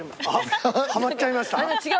はまっちゃいました？